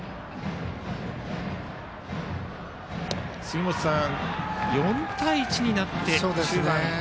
杉本さん４対１になって中盤。